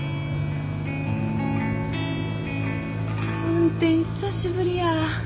運転久しぶりや。